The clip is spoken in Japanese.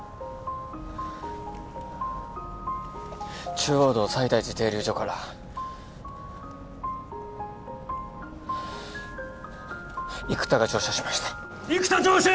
中央道西大寺停留所から生田が乗車しました生田乗車！